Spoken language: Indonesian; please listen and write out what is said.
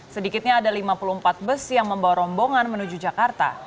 sedikitnya ada lima puluh empat bus yang membawa rombongan menuju jakarta